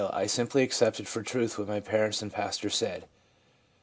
I simply accepted for truth what my parents and pastor said/ M.